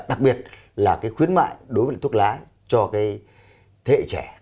đặc biệt là cái khuyến mại đối với thuốc lá cho cái thế hệ trẻ